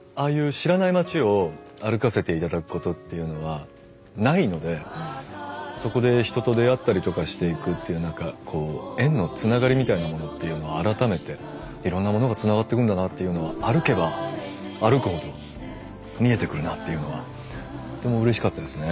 知らない町を歩かせて頂くことっていうのはないのでそこで人と出会ったりとかしていくっていう何か縁のつながりみたいなものっていうのを改めていろんなものがつながっていくんだなっていうのは歩けば歩くほど見えてくるなっていうのはとってもうれしかったですね。